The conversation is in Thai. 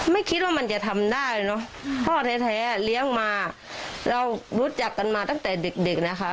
ไม่คิดว่ามันจะทำได้เนอะพ่อแท้เลี้ยงมาเรารู้จักกันมาตั้งแต่เด็กเด็กนะคะ